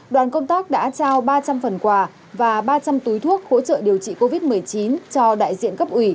đoàn công tác đã trao ba trăm linh phần quà và ba trăm linh túi thuốc hỗ trợ điều trị covid một mươi chín cho đại diện cấp ủy